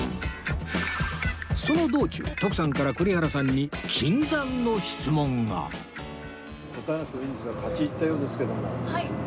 その道中徳さんから栗原さんに禁断の質問が答えなくてもいいんですが立ち入ったようですけども。